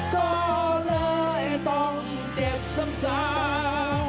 ก็เลยต้องเจ็บซ้ำสาว